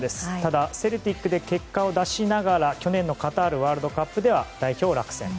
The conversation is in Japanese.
ただ、セルティックで結果を出しながら去年のカタールワールドカップでは代表落選。